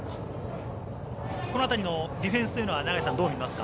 この辺りのディフェンスというのはどう見ますか？